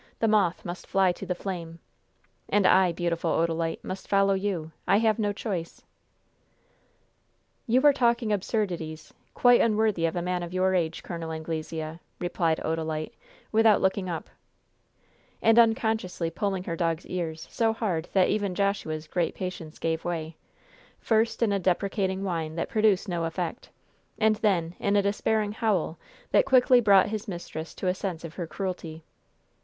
The moth must fly to the flame! And I, beautiful Odalite, must follow you! I have no choice." "You are talking absurdities, quite unworthy of a man of your age, Col. Anglesea," replied Odalite, without looking up, and unconsciously pulling her dog's ears so hard that even Joshua's great patience gave way, first in a deprecating whine that produced no effect; and then in a despairing howl that quickly brought his mistress to a sense of her cruelty.